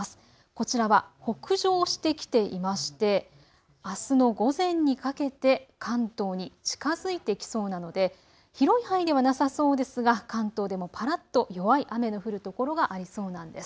こちらは北上してきていましてあすの午前にかけて関東に近づいてきそうなので広い範囲ではなさそうですが関東でもぱらっと弱い雨の降る所がありそうなんです。